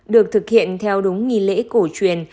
được thực hiện theo đúng nghi lễ cổ truyền